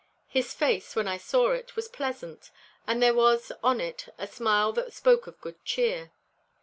His face, when I saw it, was pleasant, and there was on it a smile that spoke of good cheer.